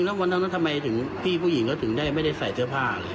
แล้ววันนั้นทำไมถึงพี่ผู้หญิงก็ถึงได้ไม่ได้ใส่เสื้อผ้า